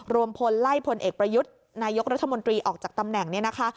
รวมพลไล่พลเอกประยุทธ์นายกรัฐมนตรีออกจากตำแหน่งเนี่ยนะคะ